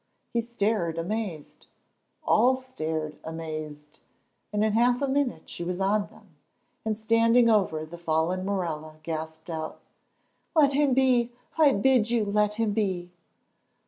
He stared amazed. All stared amazed, and in half a minute she was on them, and, standing over the fallen Morella, gasped out: "Let him be! I bid you let him be."